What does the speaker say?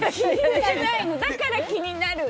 だから気になる！